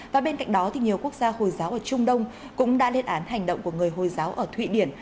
và bên cạnh đó nhiều quốc gia hồi giáo ở trung đông cũng đã lên án hành động của người hồi giáo ở thụy điển